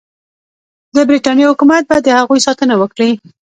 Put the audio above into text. د برټانیې حکومت به د هغوی ساتنه وکړي.